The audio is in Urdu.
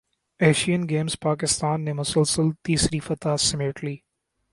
ایشین گیمز پاکستان نے مسلسل تیسری فتح سمیٹ لی